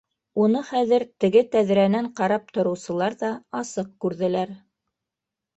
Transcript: Уны хәҙер теге тәҙрәнән ҡарап тороусылар ҙа асыҡ күрҙеләр.